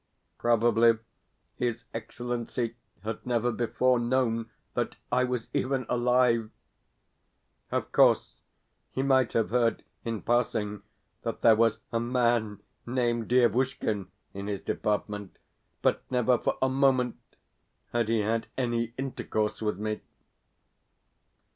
Probably his Excellency had never before known that I was even alive. Of course, he might have heard, in passing, that there was a man named Dievushkin in his department; but never for a moment had he had any intercourse with me.